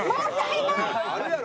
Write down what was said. あるやろ。